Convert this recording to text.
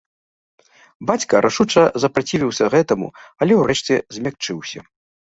Бацька рашуча запрацівіўся гэтаму, але, урэшце, змякчыўся.